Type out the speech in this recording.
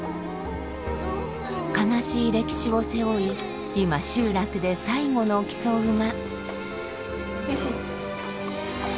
悲しい歴史を背負い今集落で最後の木曽馬。